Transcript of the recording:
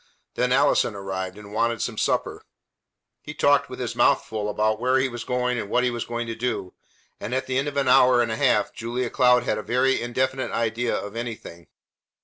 Then Allison arrived, and wanted some supper. He talked with his mouth full about where he was going and what he was going to do, and at the end of an hour and a half Julia Cloud had a very indefinite idea of anything.